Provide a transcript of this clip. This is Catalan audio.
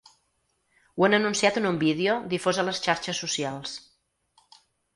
Ho han anunciat en un vídeo difós a les xarxes socials.